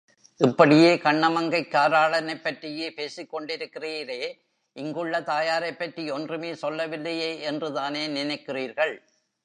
இப்படியே கண்ணமங்கைக் காராளனைப் பற்றியே பேசிக்கொண்டிருக்கிறீரே, இங்குள்ளதாயாரைப் பற்றி ஒன்றுமே சொல்லவில்லையே என்றுதானே நினைக்கிறீர்கள்.